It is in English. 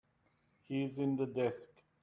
He's in the desk.